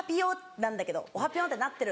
なんだけど「おはぴょん」ってなってる。